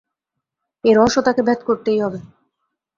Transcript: এই রহস্য তাঁকে ভেদ করতেই হবে।